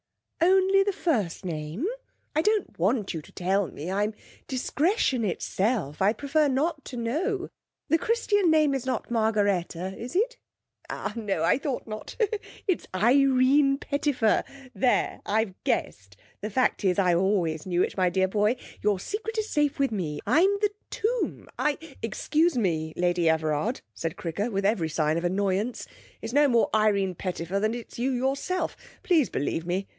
'Only the first name? I don't want you to tell me; I'm discretion itself, I prefer not to know. The Christian name is not Margaretta, is it? Ah! no, I thought not. It's Irene Pettifer! There, I've guessed. The fact is, I always knew it, my dear boy. Your secret is safe with me. I'm the tomb! I ' 'Excuse me, Lady Everard,' said Cricker, with every sign of annoyance, 'it's no more Irene Pettifer than it's you yourself. Please believe me.